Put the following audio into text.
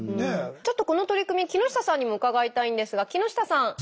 ちょっとこの取り組み木下さんにも伺いたいんですが木下さん。